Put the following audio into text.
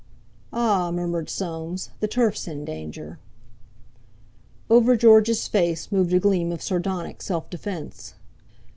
"Ah!" murmured Soames, "the turf's in danger." Over George's face moved a gleam of sardonic self defence.